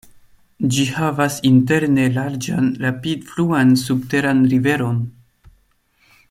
Ĝi havas interne larĝan rapid-fluan subteran riveron.